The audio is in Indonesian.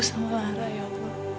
untuk menebus semua kesalahan aku